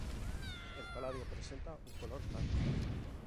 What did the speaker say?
El paladio presenta un color blanco.